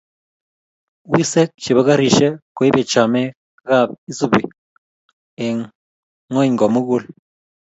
Wiseek che bo karishe koibe chamee kab isubii nng ngony komugul.